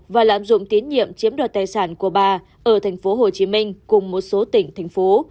và lạm dụng tín nhiệm chiếm đoạt tài sản của bà ở tp hcm cùng một số tỉnh thành phố